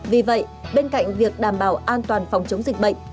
vì vậy bên cạnh việc đảm bảo an toàn phòng chống dịch bệnh